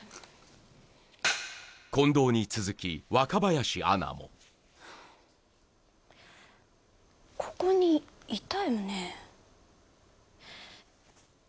近藤に続き若林アナもここにいたよね